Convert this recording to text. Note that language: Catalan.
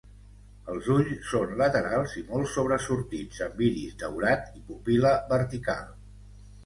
Els ulls són laterals i molt sobresortits, amb iris daurat i pupil·la vertical.